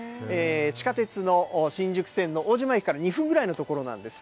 地下鉄の新宿線の大島駅から２分ぐらいの所なんです。